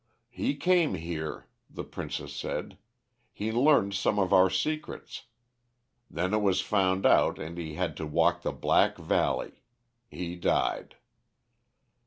"'He came here,' the princess said. 'He learned some of our secrets. Then it was found out and he had to walk the Black Valley. He died.'